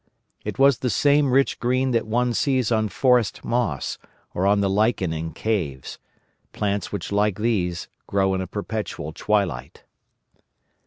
It was the same rich green that one sees on forest moss or on the lichen in caves: plants which like these grow in a perpetual twilight.